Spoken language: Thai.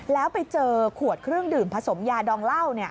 แล้วไปเจอขวดเครื่องดื่มผสมยาดองเหล้า